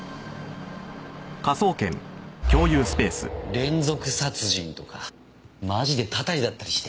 連続殺人とかマジでたたりだったりして。